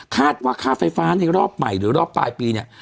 คาดว่าค่าไฟฟ้าในรอบใหม่หรือรอบปลายปีเนี่ย